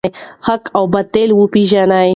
حق او باطل وپیژنئ.